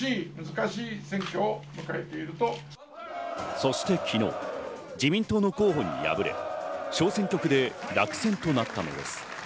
そして昨日、自民党の候補に敗れ、小選挙区で落選となったのです。